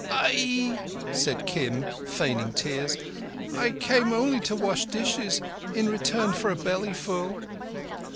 "Aie," said Kim, feigning tears. "I came only to wash dishes in return for a bellyful."